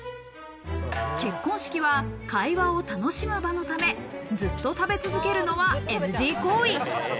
結婚式は会話を楽しむ場のため、ずっと食べ続けるのはＮＧ行為。